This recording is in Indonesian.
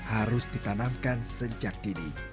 harus ditanamkan sejak kini